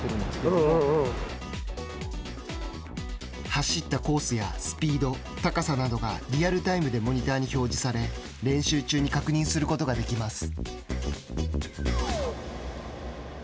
走ったコースやスピード高さなどがリアルタイムでモニターに表示され練習中に確認することができます。